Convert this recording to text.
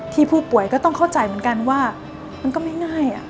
ผู้ป่วยก็ต้องเข้าใจเหมือนกันว่ามันก็ไม่ง่าย